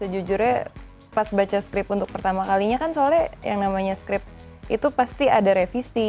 jujurnya pas baca script untuk pertama kalinya kan soalnya yang namanya script itu pasti ada revisi